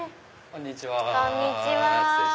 こんにちは。